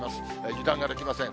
油断ができません。